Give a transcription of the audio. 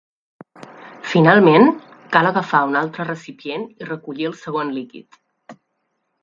Finalment, cal agafar un altre recipient i recollir el segon líquid.